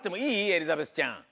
エリザベスちゃん。